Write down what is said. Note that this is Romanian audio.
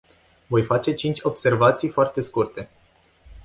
Voi face cinci observații foarte scurte.